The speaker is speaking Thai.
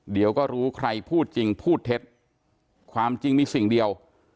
เดี๋ยวก็รู้ใครพูดจริงพูดเท็จความจริงมีสิ่งเดียว